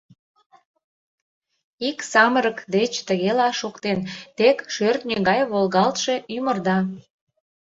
Ик самырык деч тыгела шоктен: «Тек шӧртньӧ гай волгалтше ӱмырда».